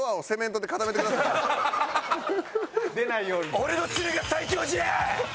俺のツレが最強じゃ！